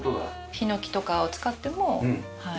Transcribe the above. ヒノキとかを使ってもはい。